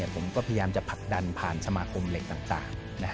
ผมก็พยายามจะผลักดันผ่านสมาคมเหล็กต่าง